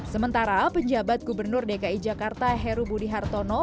sementara penjabat gubernur dki jakarta heru budi hartono